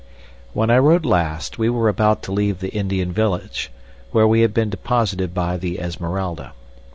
When I wrote last we were about to leave the Indian village where we had been deposited by the Esmeralda.